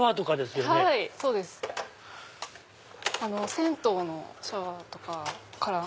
銭湯のシャワーとかカラン。